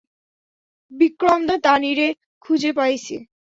বিক্রমদা তানিরে খুঁজে পাইসে।